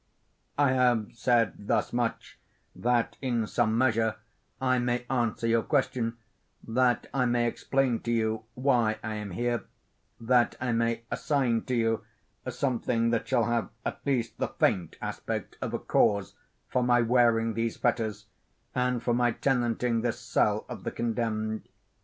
I have said thus much, that in some measure I may answer your question—that I may explain to you why I am here—that I may assign to you something that shall have at least the faint aspect of a cause for my wearing these fetters, and for my tenanting this cell of the condemned.